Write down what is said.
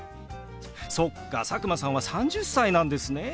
そっか佐久間さんは３０歳なんですね。